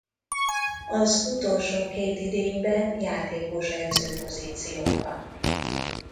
Az utolsó két idényben játékos-edző pozícióban.